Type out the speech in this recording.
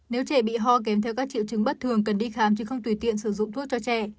nếu trẻ bị ho kèm theo các triệu chứng bất thường cần đi khám chứ không tùy tiện sử dụng thuốc cho trẻ